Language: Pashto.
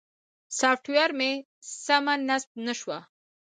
سافټویر مې سمه نصب نه شوه.